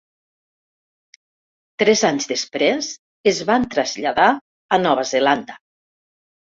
Tres anys després es van traslladar a Nova Zelanda.